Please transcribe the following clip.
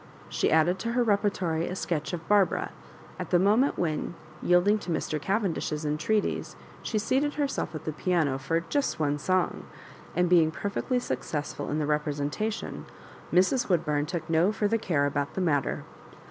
She added to her repertory a sketch of Barbara, at the moment when, yielding to Mr. Cavendish's entreaties, she seated herself at the piano " for just one song;" and being perfectly successful in the representation, Mrs. Woodbum took no fur ther care about the matter.